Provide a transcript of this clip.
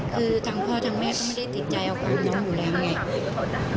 คือทางพ่อทางแม่ก็ไม่ได้ติดใจเอาความพร้อมอยู่แล้วไง